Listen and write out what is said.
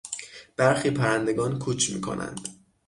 برخی پرندگان کوچ میکنند.